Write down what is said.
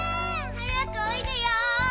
はやくおいでよ！